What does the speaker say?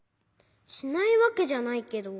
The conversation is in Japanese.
しないわけじゃないけど。